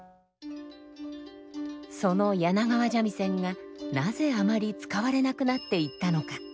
その柳川三味線がなぜあまり使われなくなっていったのか。